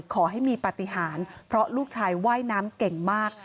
ขอให้มีปฏิหารเพราะลูกชายว่ายน้ำเก่งมาก